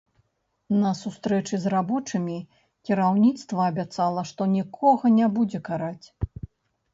На сустрэчы з рабочымі кіраўніцтва абяцала, што нікога не будзе караць.